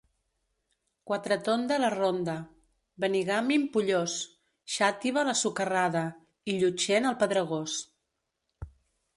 Quatretonda, la ronda; Benigànim pollós; Xàtiva la socarrada i Llutxent el pedregós.